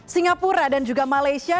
singapura dan juga malaysia